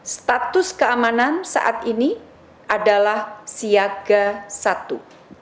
status keamanan saat ini adalah siaga satu